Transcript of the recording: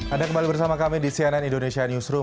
anda kembali bersama kami di cnn indonesia newsroom